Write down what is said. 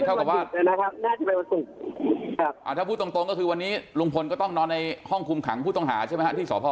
ถ้าพูดตรงก็คือวันนี้ลุงพลต้องนอนในห้องคุมขังผู้ต้องหาใช่ไหมครับที่สภ